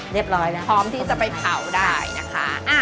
เรียบร้อยแล้วพร้อมที่จะไปเผาได้นะคะอ่ะ